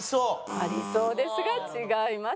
ありそうですが違います。